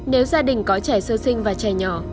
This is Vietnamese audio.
nếu gia đình có trẻ sơ sinh và trẻ nhỏ